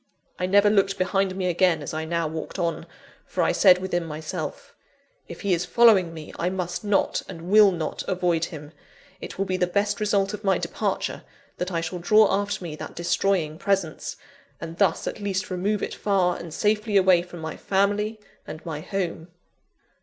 I never looked behind me again, as I now walked on; for I said within myself: "If he is following me, I must not, and will not avoid him: it will be the best result of my departure, that I shall draw after me that destroying presence; and thus at least remove it far and safely away from my family and my home!"